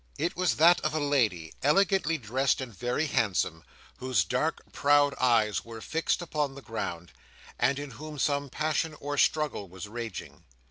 It was that of a lady, elegantly dressed and very handsome, whose dark proud eyes were fixed upon the ground, and in whom some passion or struggle was raging.